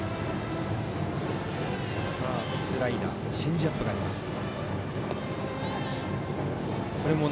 カーブ、スライダーチェンジアップがある田中。